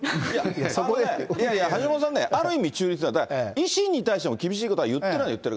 いやいや、橋下さんね、ある意味、中立、だから維新に対しても厳しいことは言ってるは言ってる。